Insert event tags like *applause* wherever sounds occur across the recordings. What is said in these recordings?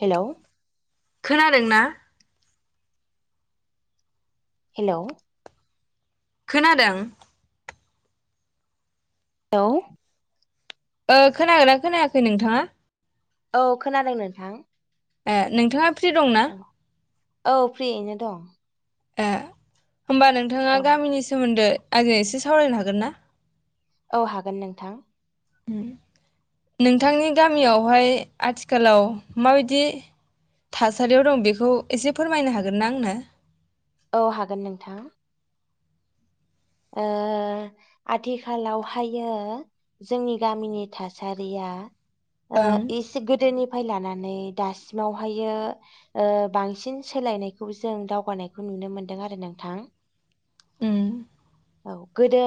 Hello खोनादों ना? Hello. खोनादों? लौ। ओ खोनागोना खोनायाखै नोंथाङा? औ खोनादों नोंथां। ए नोंथाङा फ्रि दंना? औ औ फ्रियैनो दं ए होमबा नोंथाङा औ गामिनि सोमोन्दो आंजो एसे सावरायनो हागोन ना औ हागोन नोंथां उम औ नोंथांनि गामियाव बेवहाय आथिखालाव माबायदि थासारियाव दं बेखौ एसे फोरमायनो हागोन ना आंनो औ हागोन नोंथां ओ आथिखालावहायो जोंनि गामिनि थासारिया ओ ओं इसे गोदोनि फाय लानानै दासिमावहायो ओ बांसिन सोलायनायखौ जों दावगानायखौ नुनो मोनदों आरो नोंथां उम औ गोदो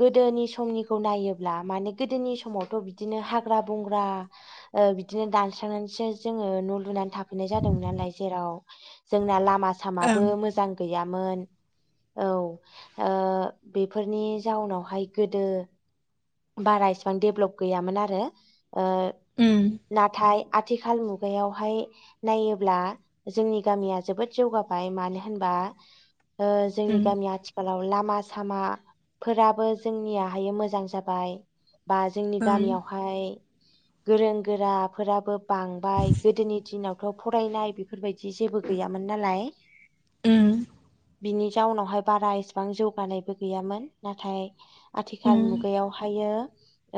गोदोनि समनिखौ नायोब्ला माने गोदोनि समावथ' बिदिनो हाग्रा बंग्रा ओ बिदिनो दानस्रांनानैसो जोङो न' लुनानै थाफैनाय जादोंमोन नालाय जेराव जोंना लाम मा ओं सामाबो मोजां गैया मोन औ ओ बेफोरनि जाउनावहाय गोदो बारा इसिबां डेभ्लप गैयामोन आरो ओ उम नाथाय आथिखाल मुगायावहाय नायोब्ला जोंनि गामिया जोबोद जौगाबाय मानो होनबा ओ जोंनि उम गामिया आथिखाल लाव लामा सामाफोराबो जोंनियाहार मोजां जा बाय बा जोंनि ओं गामियावहाय गोरों गोराफोराबो बांबाय गोदोनि दिनावथ' फरायनाय बेफोरबायदि जेबो गैयामोन नालाय उम बिनि जाउनावहाय बारा इसिबां जौगानायबो गैयामोन नाथाय उम आथिखाल मु गायावहायो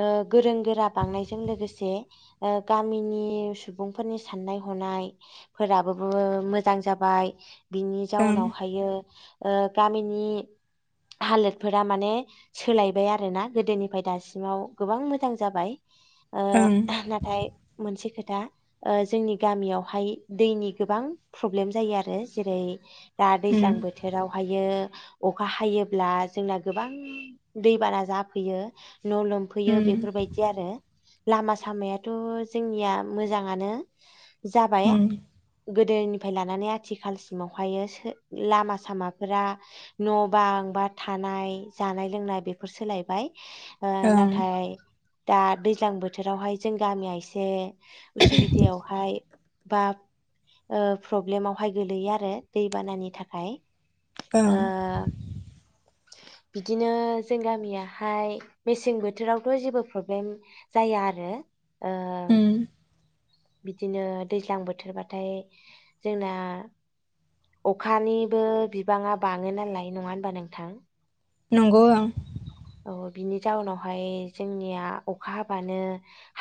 ओ गोरों गोरा बांनायजों लोगोसे ओ गामिनि सुबुंफोरनि साननाय हनायफोराबो मोजां जाबाय बिनि ओं जाउनावहायो ओ गामिनि हालोदफोरा माने सोलायबाय आरो ना गोदोनिफ्राय दासिमाव गोबां मोजां जाबाय ओ ओं नाथाय मोनसे खोथ दा ओ जोंनि गामियावहाय दैनि गोबां प्रब्लेम जायो आरो जेरै- दा दैज्लां उम बोथोरावहायो अखा हायोब्ला जोंना गोबां दैबाना जा फैयो न' लोमफैयो उम बेफोरबायदि आरो लामा सामायाथ' जोंनिया मोजाङानो जाबाय उम गोदोनिफ्राय लानानै आथिखालसिमाव हायो लामा सामाफोरा न' बां बा थानाय जानाय लोंनाय बेफोर सोलाय बाय। ओ ओं नाथाय दा दैज्लां बोथोरावहाय जों गामिया एसे उसुबिदायावहाय बा ओ प्रब्लेमावहाय गोलैयो आरो दैबानानि थाखाय। ओं ओ बिदिनो जों गामिया हाय मेसें बोथोरावथ' जेबो प्रब्लेम जाया आरो ओ उम बिदिनो दैज्लां बोथोरबाथाय जोंना अखानिबो बिबाङा बाङो नालाय नङा होनबा नोंथां? नंगौ ओं। औ बिनि जाउनावहाय जोंनिया अखा हाबानो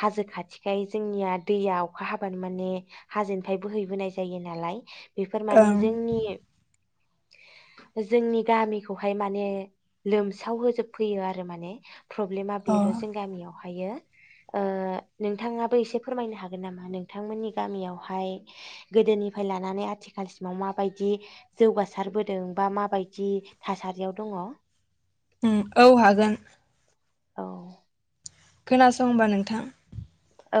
हाजो खाथिखाय जोंनिया दैया अखा हाबानो माने हाजोनिफ्राय बोहैबोनाय जायो नालाय बेफोर माने ओं जोंनि जोंनि गामिखौहाय माने लोमसाव होजोब फैयो आरो माने प्रब्लेमा अ बेल' जों गामियावहा हायो। ओ नोंथाङाबो एसे फोरमायनो हागोन नामा नोंथांमोननि गामियावहाय गोदोनिफ्राय लानानै आथिखालसिमाव माबायदि जौगासारबोदों बा माबायदि थासारियाव दङ। उम औ हागोन। औ। खोनासं होनबा नोंथां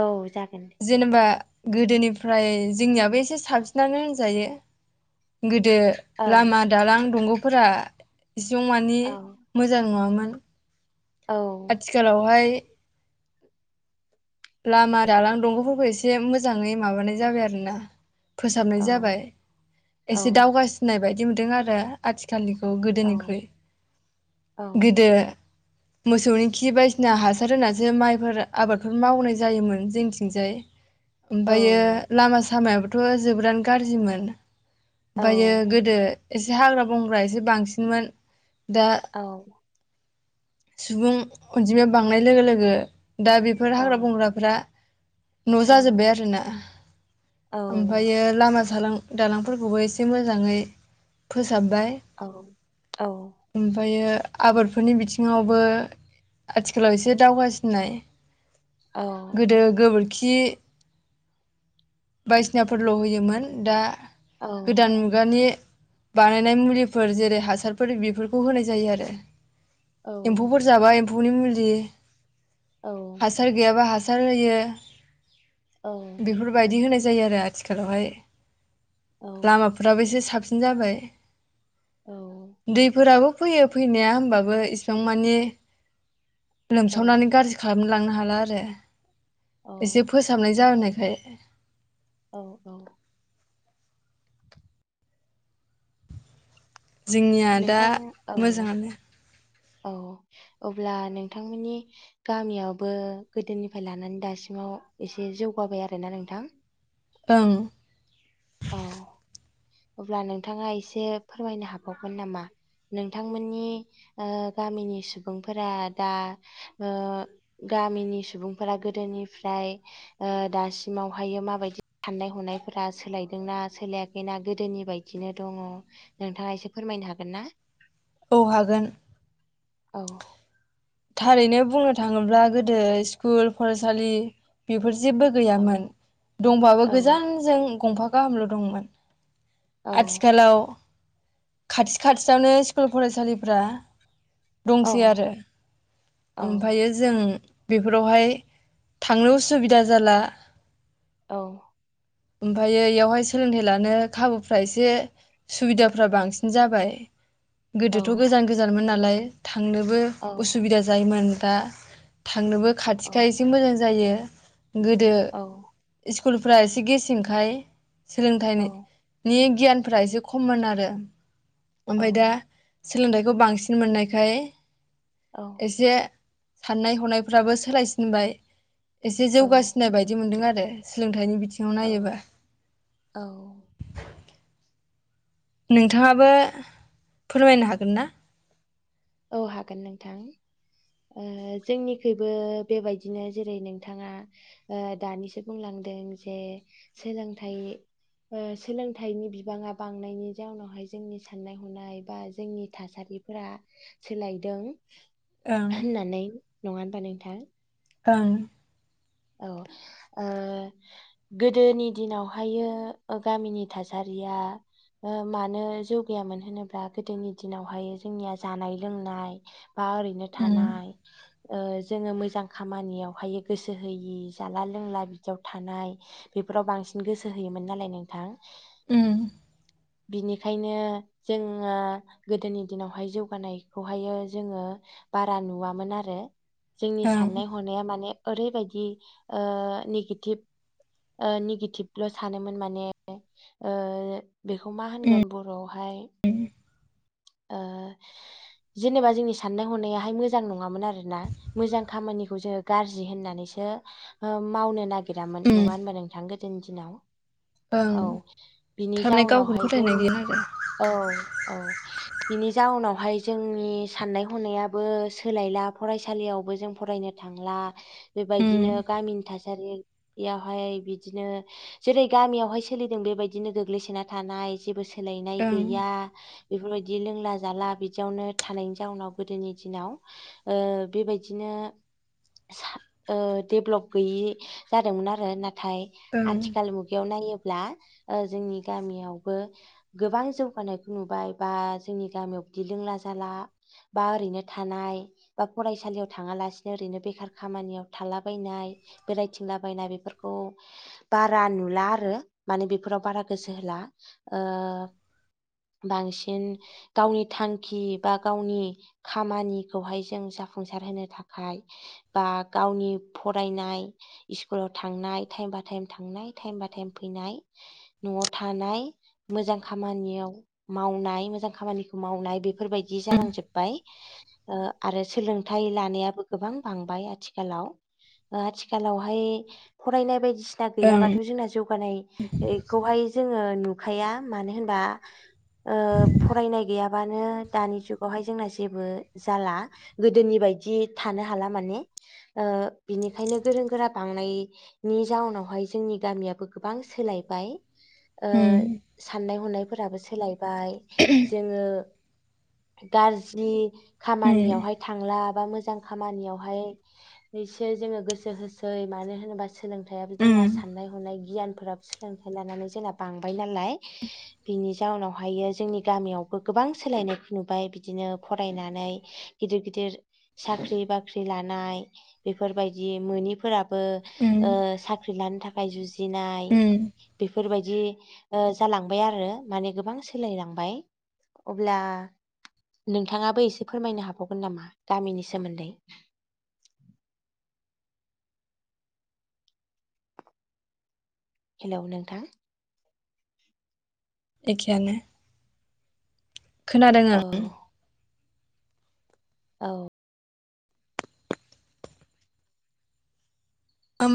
औ जा जेनेबा गोदोनिफ्राय जोंनियाबो एसे साबसिनानो होनजायो गो दो ओं लामा दालां दंग' फोरा इसेयाव माने औ मोजां नङामोन औ आथिखालावहाय लामा दालां दंग'फोरखौ एसे मोजाङै माबानाय जाबाय आरो ना फोसाबनाय औ जाबाय। औ एसे दावगासिननाय बाय दि मोनदों आरो आथिखालनिखौ खौ औ गोदोनिख्रुइ औ गोदो मोसौनि खि बायदिसिना हासार होनानैसो माइफोर आबाद मावनाय जायोमोन जोंथिंजाय औ ओमफ्रायो लामा सामाया थ' जोबोरानो गाज्रिमोन। औ ओमफायो गोदो एसे हाग्रा बंग्रा एसे बांसिनमोन दा औ सुबुं अनजिमाया बांनाय लोगो लोगो दा बेफोर औ हाग्रा बंग्राफोरा न' जाजोब्बाय आरो ना। औ ओमफायो लामा दालां दालांफोरखौबो एसे मोजाङै फो फोसाबबाय औ औ ओमफायो आबादफोरनि बिथिङावबो आथिखालाव एसे दावगासिननाय औ गोदो गोबोर खि बायदिसिनाफोरल' होयोमोन दा औ गोदान मुगानि बानायनाय मुलिफोर जेरै हासारफोर बेफोरखौ होनाय जायो आरो। औ एम्फौफोर जाबा एम म्फुनि मुलि औ हासार गैयाबा हा हासार होयो औ बेफोरबायदि होनाय जायो आरो आथिखालावहाय। औ लामाफोराबो एसे साब सिन जाबाय। दै फोराबो फैयो फैनाया होनबाबो इसिबां मानि औ लोमसावनानै गाज्रि खालाम लांनो हाला आरो एसे फोसाबनाय जानाय *unintelligible* औ औ जोंनिया दा नोंथां औ मोजांङानो औ, अब्ला नोंथांमोननि गामियावबो गोदोनिफाय लानानै दासिमाव एसे जौगाबाय आरोना नोंथां? ओं औ अब्ला नोंथाङा एसे फोरमायनो हाबावगोन नामा नोंथांमोननि ओ गामिनि सुबुंफोरा दा ओ‌ गामिनि सुबुंफोरा गोदोनिफ्राय ओ दासिमावहाय ओ माबायदि साननाय हनायफोरा सोलाय दोंना सोलायाखैना गोदोनि बायदिनो दङ नोंथाङा एसे फोरमायनो हागोन ना? औ हागोन। औ थारैनो बुंनो थाङोब्ला गोदो स्कुल फरायसालि बेफोर जेबबो औ गैयामोन दंबाबो औ गोजानजों गंफा गाहामल' दंमोन। औ आथिखालाव खाथि खाथियावनो स्कुल फरायसालिफ्रा औ दंसैआरो औ ओमफायो जों ओम बेफोरावहाय थांनो उसुबिदा जाला औ ओमफायो इयावहाय सोलोंथायाइ लानो खाबुफ्रा एसे सुबिदाफ्रा बांसिन जाबाय औ गोदोथ' गोजान गोजानमोन नालाय थांनोबो औ असुबिदा जायोमोन दा थांनोबो औ खाथिखा एसे मोजां जायो गोदो औ स्कुलफ्रा एसे गेसेंखाय सोलोंथाइनि औ नि गियानफोरा एसे खममोन आरो औ ओमफाय दा सोलोंथाइखौ बांसिन मोननायखाय औ एसे साननाय हनायफ्राबो सोलायसिनबाय एसे जौगासिनाय बायदि मोनदों आरो सोलोंथाइनि बिथ औ औ नोंथाङाबो फोरमायनो हागोन ना? औ हागोन नोंथां ओ जोंनिखैबो बेबायदिनो जेरै नोंथाङा दानिसो ओ बुंलांदों जे सोलोंथाइ ऐ सोलोंथाइनि बिबाङा बांनायनि जाउनावहाय जोंनि साननाय हनाय बा जोंनि थासारिफोरा सोलायदों ओं होननानैै नङा होनबा नोंथां ओं औ ओ गोदोनि दिनावहायो गामिनि थासारिया ओ मानो जौगायामोन होनोब्ला गोदोनि दिनावहाय जोंनिया जानाय लोंनाय बा ओरैनो उम थानाय ओ जोङो मोजां खामानियावहाय गोसो गोसो होयि जाला लोंला बिदियाव थानाय बेफोराव बांसिन गोसो होयोमोन नालाय नोंथां। उम। बिनिखायनो जोङा गोदोनि दिनावहाय जौगानायखौहायो जोङो बारा नुवामोन आरो। जोंनि ओं साननाय हनाया माने ओरैबायदि ओ निगेटिभ ओ निगेटिभल' सानोमोन माने ओ बेखौ मा उम होनगोन बर'आवहाय ओ जेनेबा जोंनि साननाय हनायाहाय मोजां नङामोन आरोना मोजां खामानिखौ जोङो गाज्रि जि होननानैसो ओ मावनो ना गिरामोन नङा होनबा नोंथां गोदोनि दि दिनाव। ओं औ बिनि थारमाने गावखौनो जाउनावहाय जों फोथायनाय गैया आरो औ औ बिनि जाउनावहाय जोंनि साननाय हनायाबो सोलायला फरायसालियावबो जों फरायनो थांला। उम बेबायदिनो गामिनि थासारियावहाय बिदिनो जेरै गामियावहाय सोलिदों बेबायदिनो गोग्लैसोना थानाय जेबो सो सोलायनाय गैया ओं बेफोरबायदि लोंला जाला बिदियावनो थानायनि जाउनाव गोदोनि दिनाव ओ बेबायदिनो सा ओ देभ्लप गैयि जादोंमोन आरो ना थाय ओं आथिखाल मु बेयाव नायोब्ला ओ जोंनि गामियावबो गोबां जौगानायखौ नुबाय बा जोंनि गामियाव बिदि लोंला जाला बा ओरैनो थानाय बा फरायसालियाव थाङालासिनो ओरैनो बेखार खामानियाव थालाबायनाय बेरायथिंला बायनाय बेफोरखौ बारा नुला आरो माने बेफोराव बारा गोसो होला ओ बांसिन गावनि थांखि बा गावनि खामानिखौहाय जों जाफुंसार होनो थाखाय बा गावनि फरायनाय इस्कुलाव थांनाय टाइम बा टाइम थांनाय टाइम बा टाइम फैनाय न'आव थानाय मोजां खामानियाव मावनाय मोजां खामानिखौ मावनाय बे फोरबायदि उम जालांजोब्बाय। ओ आरो सोलोंथाइ लानायाबो गोबां बां बाय आथिखालाव ओ आथिखालावहाय फरायनाय बायदि सिना ओं गैयाबाथ' जोंना जौगानायखौहाय जोङो नुखाया मानो होनबा ओ फरायनाय गैयाब बानो दानि जुगावहाय जोंना जेबो जाला गोदोनि बायदि थानो हाला माने। ओ बिनिखायनो गोरों गोरा बांनायनि जाउनावहाय जोंनि गामियाबो गोबां सोलायबाय। ओ उम साननाय हनाय फोराबो सोलाय बाय जोङो गारज्रि उम खामानियावहाय थांलाब बा मोजां खामानियावहाय हैसो जोङो गोसो होसै मानो होनोबा सोलोंथाइयाबो उम जोंना साननाय हनाय गियानफ्राबो सोलोंथाइ लानानै जोंना बांबाय नालाय बिनि जाउनावहायो जोंनि गामियावबो गोबां सोलायनायखौ नुबाय बिदिनो फरायनानै गिदिर गिदिर साख्रि बाख्रि लानाय बेफोरबायदि मोनिफोरा बो उम ओ साख्रि लानो था खाय जुजि नाय उम बेफो फोरबायदि ओ जालांबाय आरो माने गोबां सोलायलांबाय अब्ला नोंथाङाबो एसे फोरमायनो हाबावगोन नामा गामिनि सोमोन्दै। हेलौ, नोंथां। एखेयानो। खोनादों आं। औ औ आं